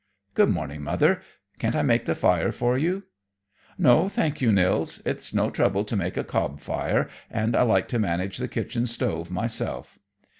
"Good morning, Mother. Can't I make the fire for you?" "No, thank you, Nils. It's no trouble to make a cob fire, and I like to manage the kitchen stove myself."